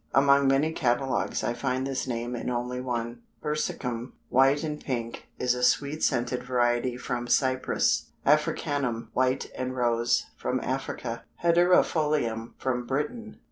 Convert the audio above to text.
Among many catalogues I find this named in only one. Persicum, white and pink, is a sweet scented variety from Cyprus; Africanum, white and rose, from Africa; hederæfolium, from Britain.